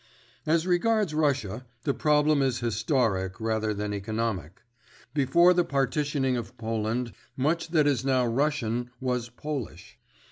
"As regards Russia, the problem is historic rather than economic. Before the partitioning of Poland much that is now Russian was Polish.